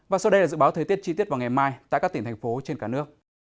và sau đây là dự báo thời tiết chi tiết vào ngày mai tại các tỉnh thành phố trên cả nước